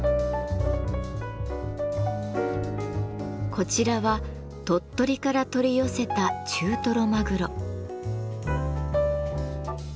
こちらは鳥取から取り寄せた中トロマグロ。